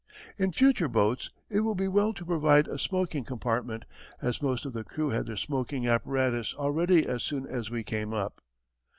In future boats, it will be well to provide a smoking compartment, as most of the crew had their smoking apparatus all ready as soon as we came up.